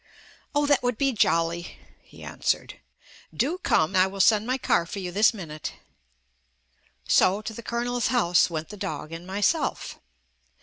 "Oh, that would be jolly," he answered. "Do come, I will send my car for you this minute." So to the Colonel's house went the dog and myself.